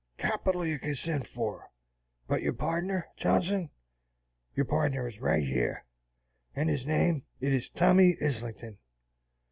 Capital you can send for, but your pardner, Johnson, your pardner is right yer. And his name, it is Tommy Islington.'